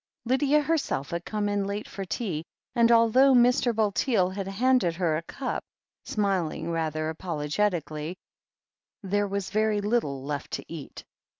Lydia herself had come in late for tea, and although Mr. Bulteel had handed her a cup, smiling rather apolo getically, there was very little left to eat.